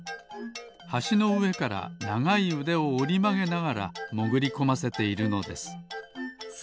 はしのうえからながいうでをおりまげながらもぐりこませているのです。